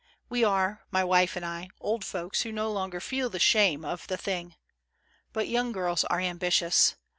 We are, my wife and I, old folks who no longer feel the shame of the thing. But young girls are ambitious.